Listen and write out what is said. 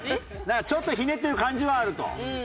なんかちょっとひねってる感じはあると。